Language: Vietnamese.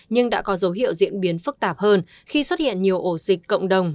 nhưng đã có dấu hiệu diễn biến phức tạp hơn khi xuất hiện nhiều ổ dịch cộng đồng